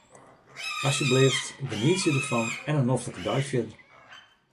Asjebleaft, genietsje derfan en in noflike dei fierder.